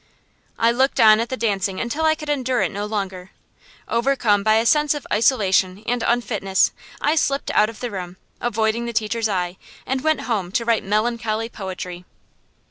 I looked on at the dancing until I could endure it no longer. Overcome by a sense of isolation and unfitness, I slipped out of the room, avoiding the teacher's eye, and went home to write melancholy poetry.